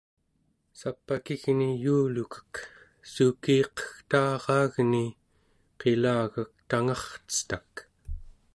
sap'akigni yuulukek suukiiqegtaaraagni qilagak tangercetak